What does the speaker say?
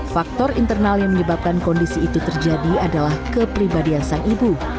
faktor internal yang menyebabkan kondisi itu terjadi adalah kepribadian sang ibu